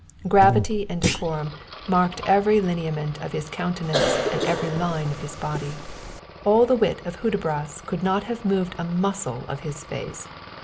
Gravity and decorum marked every lineament of his countenance and every line of his body. All the wit of Hudibras could not have moved a muscle of his face.